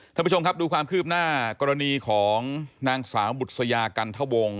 ท่านผู้ชมครับดูความคืบหน้ากรณีของนางสาวบุษยากันทะวง